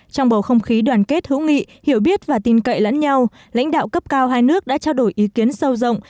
trong bầu không khí đoàn kết hữu nghị hiểu biết và tin cậy lẫn nhau lãnh đạo cấp cao hai nước đã trao đổi ý kiến sâu rộng